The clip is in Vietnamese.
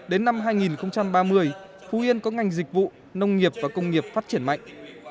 đến năm hai nghìn ba mươi phú yên có ngành dịch vụ nông nghiệp và công nghiệp phát triển mạnh